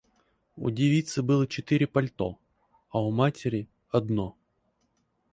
У девицы было четыре пальто, а у матери одно.